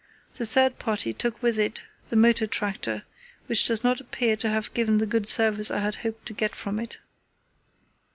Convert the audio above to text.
The third party took with it the motor tractor, which does not appear to have given the good service that I had hoped to get from it.